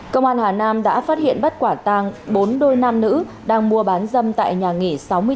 công an hà nam đã phát hiện bắt quả tàng bốn đôi nam nữ đang mua bán dâm tại nhà nghỉ sáu mươi một